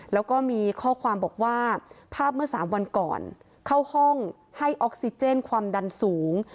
แล้วก็มีข้อความบอกว่าภาพเมื่อสามวันก่อนเข้าห้องให้ออกซิเจนความดันสูง